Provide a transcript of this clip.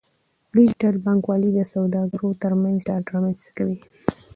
ډیجیټل بانکوالي د سوداګرو ترمنځ ډاډ رامنځته کوي.